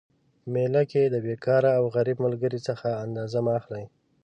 په میله کي د بیکاره او غریب ملګري څخه انداز مه اخلئ